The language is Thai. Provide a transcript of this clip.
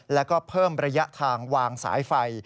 แล้วก็เพิ่มระยะทางวางสายไฟ